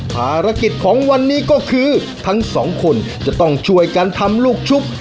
ภารกิจของวันนี้ก็คือทั้งสองคนจะต้องช่วยกันทำลูกชุบ